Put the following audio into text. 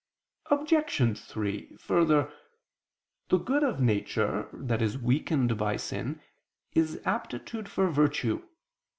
Obj. 3: Further, the good of nature, that is weakened by sin, is aptitude for virtue.